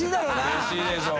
うれしいでしょう